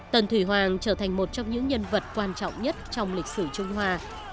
tân thủy hoàng trở thành một trong những nhân vật quan trọng nhất trong lịch sử trung hoa